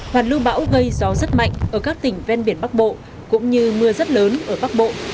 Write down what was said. hoàn lưu bão gây gió rất mạnh ở các tỉnh ven biển bắc bộ cũng như mưa rất lớn ở bắc bộ